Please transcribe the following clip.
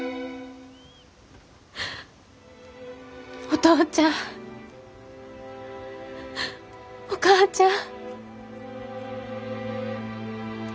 お父ちゃんお母ちゃん。